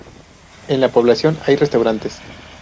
En la población hay restaurantes.